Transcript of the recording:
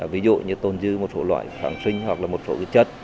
ví dụ như tồn dư một số loại phản sinh hoặc là một số cái chất